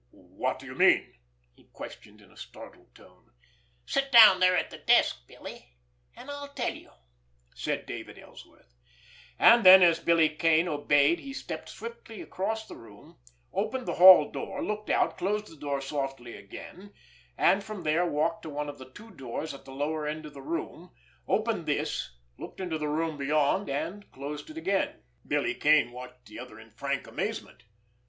"What do you mean?" he questioned in a startled tone. "Sit down there at the desk, Billy, and I'll tell you," said David Ellsworth; and then, as Billy Kane obeyed, he stepped swiftly across the room, opened the hall door, looked out, closed the door softly again, and from there walked to one of the two doors at the lower end of the room, opened this, looked into the room beyond, and closed it again. Billy Kane watched the other in frank amazement.